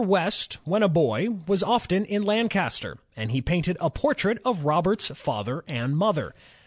West when a boy was often in Lancaster, and he painted a portrait of Robert's father and mother.